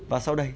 và sau đây